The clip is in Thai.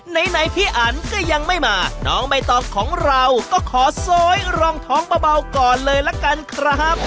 ไหนพี่อันก็ยังไม่มาน้องใบตองของเราก็ขอโซยรองท้องเบาก่อนเลยละกันครับ